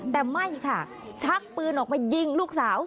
แต่ไม่ค่ะชักปืนออกมายิงลูกสาว